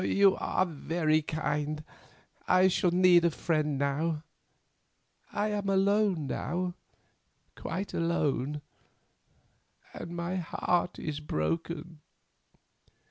"You are very kind; I shall need a friend now. I am alone now, quite alone, and my heart is broken."